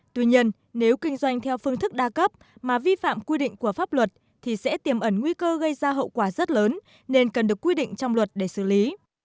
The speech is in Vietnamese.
tuy nhiên nếu kinh doanh theo phương thức đa cấp mà vi phạm quy định của pháp luật thì sẽ tiềm ẩn nguy cơ gây ra hậu quả rất lớn nên cần được quy định trong luật để xử lý